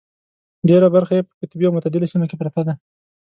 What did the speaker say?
ډېره برخه یې په قطبي او متعدله سیمه کې پرته ده.